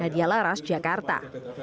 nadia laras jakarta